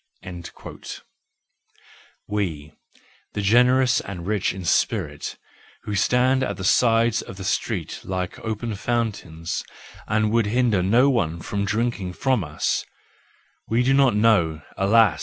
—We, the generous and rich in spirit, who stand at the sides of the streets like open fountains and would hinder no one from drinking from us: we do not know, alas!